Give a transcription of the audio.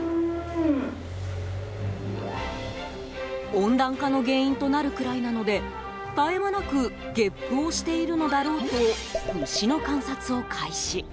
温暖化の原因となるくらいなので絶え間なくげっぷをしているのだろうと牛の観察を開始。